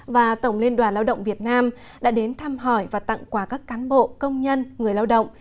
và tổng liên đoàn lao động việt nam đã đến thăm hỏi và tặng quà các cán bộ công nhân người lao động